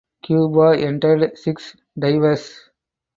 Cuba entered six divers.